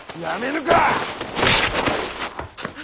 やめぬか！